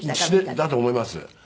だと思います。